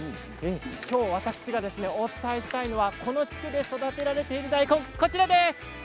今日、私がお伝えしたいのはこの地区で育てられているこちらです。